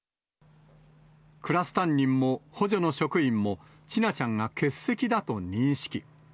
クラス担任も補助の職員も、千奈ちゃんが欠席だと認識。